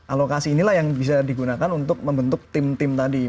alokasi inilah yang bisa digunakan untuk membentuk tim tim tadi